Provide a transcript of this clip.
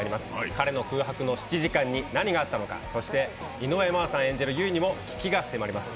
彼の空白の７時間に何があったのかそして井上真央さん演じる悠依にも危機が迫ります。